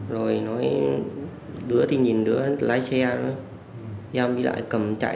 rồi nói đứa thì nhìn đứa lái xe thôi em đi lại cầm chạy